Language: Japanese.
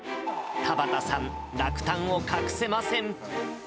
太葉田さん、落胆を隠せません。